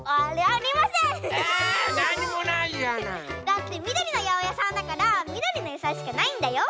だってみどりのやおやさんだからみどりのやさいしかないんだよ。